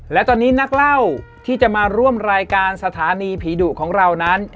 และตอนนี้นักเล่าที่จะมาร่วมรายการสถานีผีดุของเรานั้น